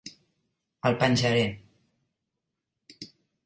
El penjaré.